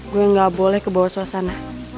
gue gak boleh kebawa suasana